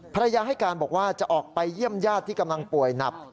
ภรรยาให้การบอกว่าจะออกไปเยี่ยมญาติที่กำลังป่วยหนัก